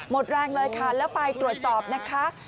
หมดแรงเลยค่ะแล้วไปตรวจสอบนะคะ